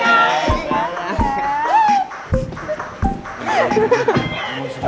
dadah duluan tos ya